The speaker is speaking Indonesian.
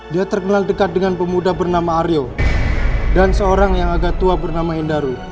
dia terkenal dekat dengan pemuda bernama aryo dan seorang yang agak tua bernama hendaru